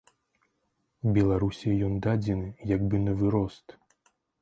Беларусі ён дадзены як бы навырост.